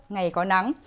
ngày có nắng